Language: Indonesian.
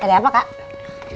ada apa kak